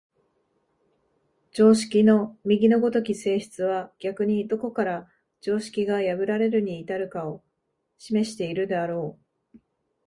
常識の右の如き性質は逆にどこから常識が破られるに至るかを示しているであろう。